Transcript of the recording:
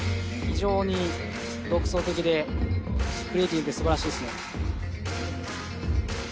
非常に独創的でクレイジーですばらしいですね。